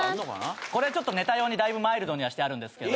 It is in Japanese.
これはちょっとネタ用にだいぶマイルドにはしてあるんですけど。